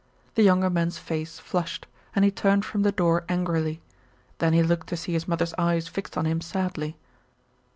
The younger man's face flushed, and he turned from the door angrily; then he looked to see his mother's eyes fixed on him sadly.